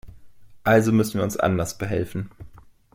Also müssen wir uns anders behelfen.